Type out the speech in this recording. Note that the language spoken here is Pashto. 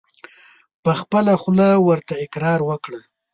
په خپله خوله ورته اقرار وکړه !